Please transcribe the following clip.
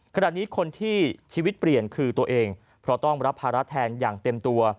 ขณะนี้คนที่ชีวิตเปลี่ยนคือตัวเองเพราะต้องรับภาระแทนอย่างเต็มตัว